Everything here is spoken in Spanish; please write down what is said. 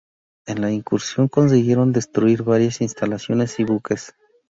En la incursión consiguieron destruir varias instalaciones y buques.